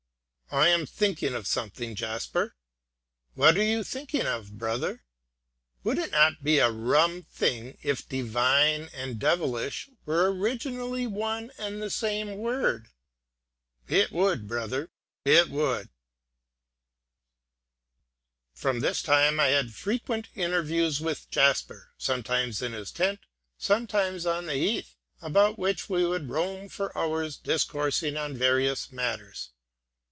"I am thinking of something, Jasper." "What are you thinking of, brother?" "Would it not be a rum thing if divine and devilish were originally one and the same word?" "It would, brother, it would." From this time I had frequent interviews with Jasper, sometimes in his tent, sometimes on the heath, about which we would roam for hours, discoursing on various matters.